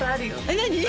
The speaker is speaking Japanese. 何？